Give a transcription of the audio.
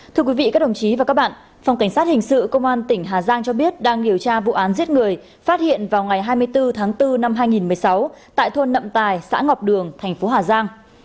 thưa quý vị các đồng chí và các bạn phòng cảnh sát hình sự công an tỉnh hà giang cho biết đang điều tra vụ án giết người phát hiện vào ngày hai mươi bốn tháng bốn năm hai nghìn một mươi sáu tại thôn nậm tài xã ngọc đường thành phố hà giang